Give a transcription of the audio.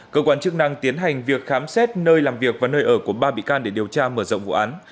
cơ quan chức năng tiến hành việc khám xét nơi làm việc và nơi ở của ba bị can để điều tra mở rộng vụ án